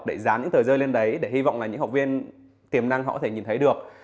để dán những tờ rơi lên đấy để hy vọng là những học viên tiềm năng họ có thể nhìn thấy được